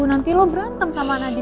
nanti lo berantem sama nadia